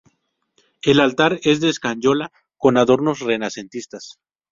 El altar es de escayola, con adornos renacentistas.